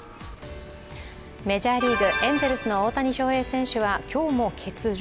メジャーリーグ、エンゼルスの大谷翔平選手は今日も欠場。